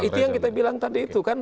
itu yang kita bilang tadi itu kan